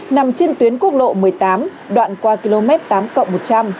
nằm trên tuyến quốc lộ một mươi tám đoạn qua km tám cộng một trăm linh